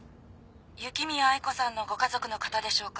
「雪宮愛子さんのご家族の方でしょうか？」